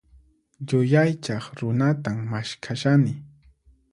Yuyaychaq runatan maskhashani.